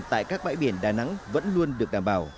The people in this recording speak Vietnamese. tại các bãi biển đà nẵng vẫn luôn được đảm bảo